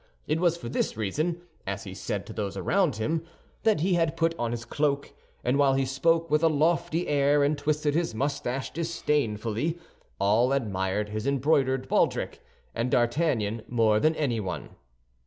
It was for this reason, as he said to those around him, that he had put on his cloak; and while he spoke with a lofty air and twisted his mustache disdainfully, all admired his embroidered baldric, and D'Artagnan more than anyone.